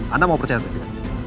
anda mau percaya atau tidak